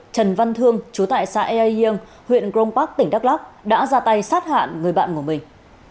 trần văn thương chú tại xã ea yêng huyện grom park tỉnh đắk lóc đã ra tay sát hạn người bạn của mình